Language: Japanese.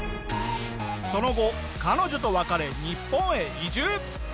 その後彼女と別れ日本へ移住。